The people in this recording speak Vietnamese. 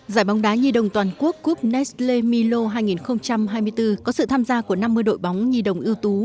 giải bóng đá nhi đồng toàn quốc cup nesle milo hai nghìn hai mươi bốn có sự tham gia của năm mươi đội bóng nhi đồng ưu tú